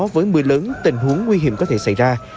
với mưa lớn tình huống nguy hiểm có thể xảy ra